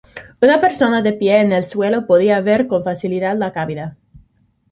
Una persona de pie en el suelo podía ver con facilidad la cabina.